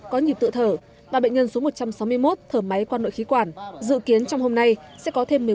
có nhịp tự thở và bệnh nhân số một trăm sáu mươi một thở máy qua nội khí quản dự kiến trong hôm nay sẽ có thêm